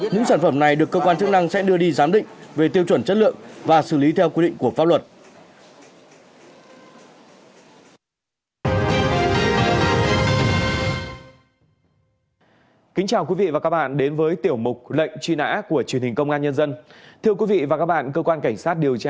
những sản phẩm này được cơ quan chức năng sẽ đưa đi giám định về tiêu chuẩn chất lượng và xử lý theo quy định của pháp luật